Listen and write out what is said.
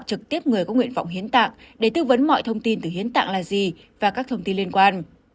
trực tiếp người có nguyện vọng hiến tạng để tư vấn mọi thông tin từ hiến tạng là gì và các thông tin liên quan